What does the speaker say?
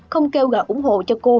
không kêu gọi ủng hộ cho cô